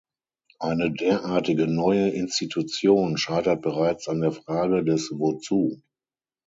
Eine derartige neue Institution scheitert bereits an der Frage des Wozu.